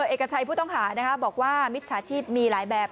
เอกชัยผู้ต้องหาบอกว่ามิจฉาชีพมีหลายแบบ